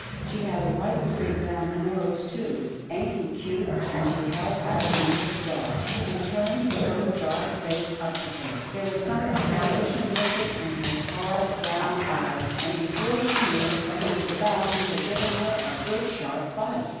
She had a white streak down her nose, too. Ain't he cute ?" and she held out a hand to the dog. He turned his little, dark face up to her. There was something elfish and wicked in his hard brown THE MONEYED PUP 109 eyes, and, before she knew what he was about, he had given her a good sharp bite.